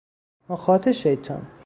مخاط شیطان